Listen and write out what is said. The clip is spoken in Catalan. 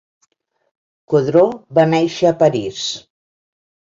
Queudrue va néixer a París.